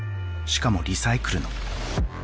しかもリサイクルの。